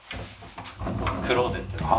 クローゼットです。